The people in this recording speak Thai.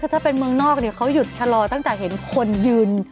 ถ้าเป็นเมืองนอกเนี่ยเขาหยุดชะลอตั้งแต่เห็นคนยืน